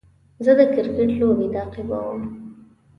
زه د کرکټ لوبې تعقیبوم.